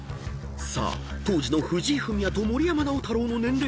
［さあ当時の藤井フミヤと森山直太朗の年齢